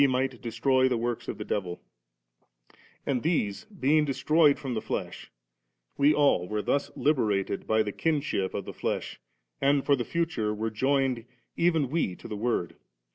might destroy the works of the devil <•' And ^ese being destroyed from the flesh, we all were thus liberated by the kinship of the flesh, and for the future were joined, even w^ to the Word.